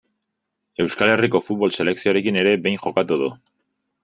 Euskal Herriko futbol selekzioarekin ere behin jokatu du.